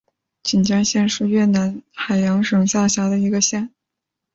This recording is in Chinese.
锦江县是越南海阳省下辖的一个县。